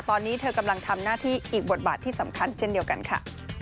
ตอนนี้เธอกำลังทำหน้าที่อีกบทบาทที่สำคัญเช่นเดียวกันค่ะ